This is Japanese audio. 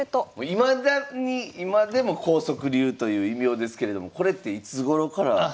いまだに今でも光速流という異名ですけれどもこれっていつごろから？